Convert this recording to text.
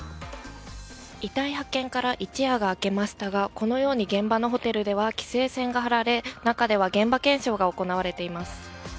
遺体発見から一夜が明けましたがこのように現場のホテルでは規制線が張られ中では現場検証が行われています。